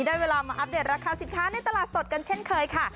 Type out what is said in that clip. ได้เวลามาอัปเดตราคาสินค้าในตลาดสดกันเช่นเคยค่ะ